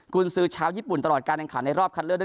คุณซื้อชาวญี่ปุ่นตลอดการแนะนำการในรอบคันเรือ